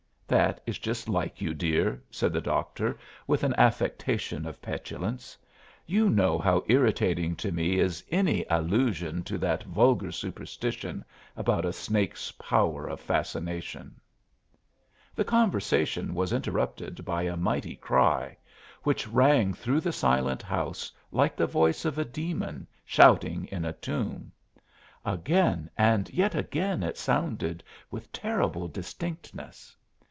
"That is just like you, dear," said the doctor, with an affectation of petulance. "You know how irritating to me is any allusion to that vulgar superstition about a snake's power of fascination." The conversation was interrupted by a mighty cry, which rang through the silent house like the voice of a demon shouting in a tomb! Again and yet again it sounded, with terrible distinctness.